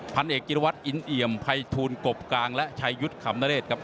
พันเอกจิรวัตรอินเอี่ยมภัยทูลกบกลางและชายุทธ์ขำนเรศครับ